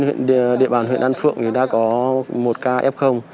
hiện tại trên địa bàn huyện đàn phượng đã có một ca f